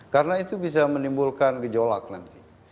karena itu bisa menimbulkan gejolak nanti